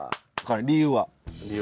理由は？